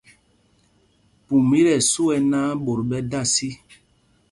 Pum i tí ɛsu ɛ náǎ, ɓot ɓɛ da sí.